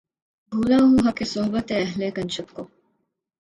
بھولا ہوں حقِ صحبتِ اہلِ کنشت کو